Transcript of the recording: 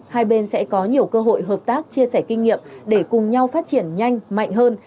hai bên sẽ có nhiều cơ hội hợp tác chia sẻ kinh nghiệm để cùng nhau phát triển nhanh mạnh hơn